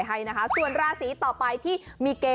เป็นคนมีค่ะ